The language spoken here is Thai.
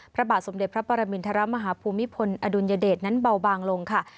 พระบาทสมเด็จพระปรมินทรมาฮภูมิพลอดุลยเดชนั้นเบาบางลงค่ะ